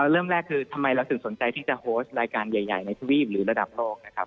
เริ่มแรกคือทำไมเราถึงสนใจที่จะโพสต์รายการใหญ่ในทวีปหรือระดับโลกนะครับ